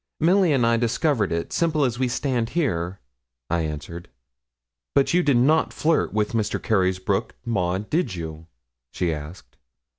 'Milly and I discovered it, simple as we stand here,' I answered. 'But you did not flirt with Mr. Carysbroke, Maud, did you?' she asked.